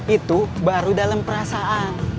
itu baru dalam perasaan